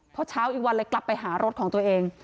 พอเช้าอีกวันเลยกลับไปหารถของตัวเอง